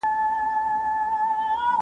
په غرمه کې رڼا پیاوړې وي.